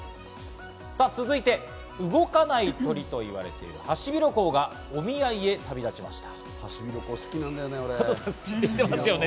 続いて、動かない鳥と言われているハシビロコウがお見合いへ旅立ちました。